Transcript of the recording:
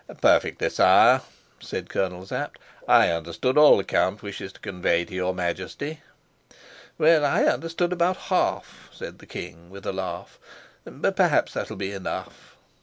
"Perfectly, sire," said Colonel Sapt. "I understand all the count wishes to convey to your Majesty." "Well, I understand about half," said the king with a laugh. "But perhaps that'll be enough."